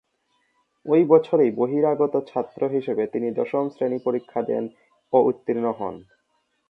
ঐ বছরেই বহিরাগত ছাত্র হিসেবে তিনি দশম শ্রেনী পরীক্ষা দেন ও উত্তীর্ণ হন।